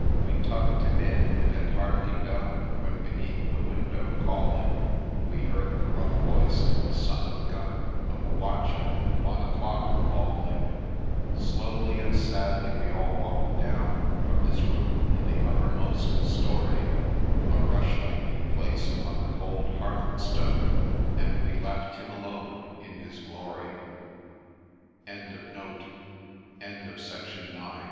We tuck'd him in, and had hardly done When, beneath the window calling, We heard the rough voice of a son of a gun Of a watchman ' One o'clock !' bawling. Slowly and sadly we all walk'd down From his room in the uppermost story ; A rushlight we placed on the cold hearth stone, And we left him